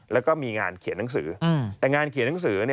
แล้วก็มีงานเขียนหนังสือแต่งานเขียนหนังสือ